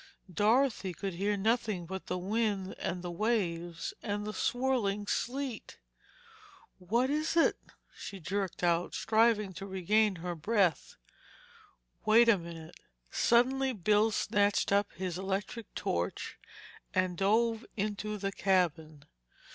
Dorothy could hear nothing but the wind and the waves and the swirling sleet. "What is it?" she jerked out, striving to regain her breath. "Wait a minute." Suddenly Bill snatched up his electric torch and dove into the cabin.